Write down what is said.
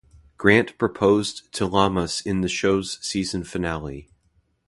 Grant proposed to Lamas in the show's season finale.